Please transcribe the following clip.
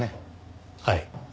はい。